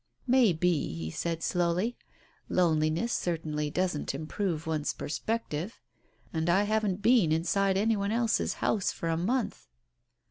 "May be," he said slowly. "Loneliness certainly doesn't improve one's perspective. And I haven't been inside any one else's house for a month."